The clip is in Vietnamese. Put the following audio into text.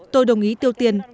tôi đồng ý tiêu tiền